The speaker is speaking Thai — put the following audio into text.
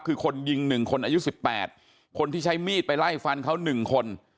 คือคนยิง๑คนอายุ๑๘คนที่ใช้มีดไปไล่ฟันเขา๑คน